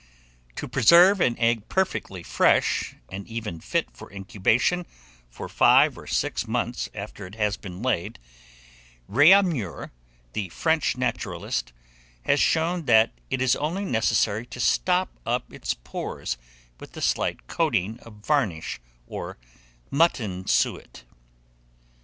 To preserve an egg perfectly fresh, and even fit for incubation, for 5 or 6 months after it has been laid, Réaumur, the French naturalist, has shown that it is only necessary to stop up its pores with a slight coating of varnish or mutton suet.